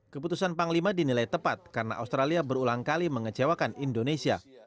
keputusan panglima dinilai tepat karena australia berulang kali mengecewakan indonesia